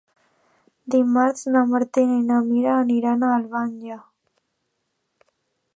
Dimarts na Martina i na Mira aniran a Albanyà.